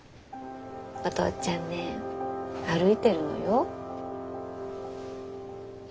お父ちゃんね歩いてるのよ。